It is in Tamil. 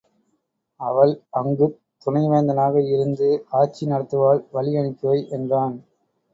அவள் அங்குத் துணைவேந்தனாக இருந்து ஆட்சி நடத்துவாள் வழி அனுப்பிவை என்றான்.